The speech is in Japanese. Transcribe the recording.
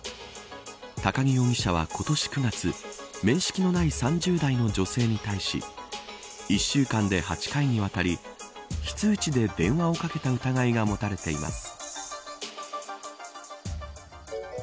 都木容疑者は今年９月面識のない３０代の女性に対し１週間で８回にわたり非通知で電話をかけた疑いが持たれています。